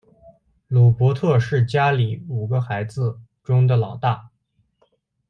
鲁伯特是家里五个孩子中的老大。